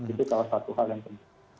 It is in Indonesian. itu salah satu hal yang penting